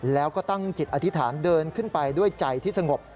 แล้วก็ตั้งจิตอธิษฐานเดินขึ้นไปด้วยใจที่สงบ